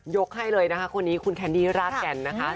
ให้เลยนะคะคนนี้คุณแคนดี้ราดแก่นนะคะ